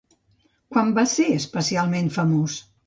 Quan va ser especialment famós?